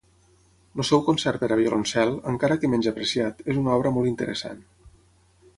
El seu Concert per a violoncel, encara que menys apreciat, és una obra molt interessant.